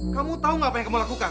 kamu tahu gak apa yang kamu lakukan